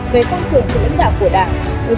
về công cường sự lãnh đạo của đảng